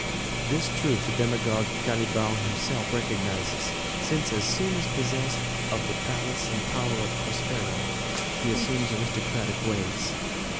This truth the demagogue Caliban himself recognizes, since as soon as possessed of the palace and power of Prospero, he assumes aristocratic ways; and M.